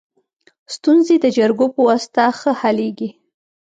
ستونزي د جرګو په واسطه ښه حلیږي.